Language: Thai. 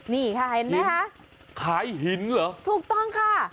นี่ค่ะเห็นไหมคะขายหินเหรอถูกต้องค่ะ